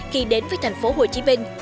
khi đến với thành phố hồ chí minh